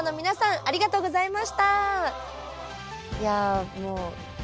ありがとうございます。